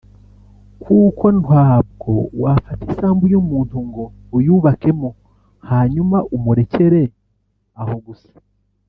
kuko ntwabwo wafata isambu y’umuntu ngo uyubakemo hanyuma umurekere aho gusa